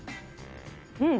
うん！